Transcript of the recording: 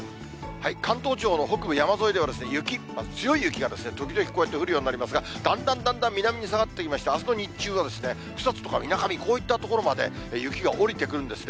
関東地方の北部山沿いでは、雪、強い雪が時々こうやって降るようになりますが、だんだんだんだん南に下がってきまして、あすの日中はですね、草津とか、みなかみ、こういった所まで雪が下りてくるんですね。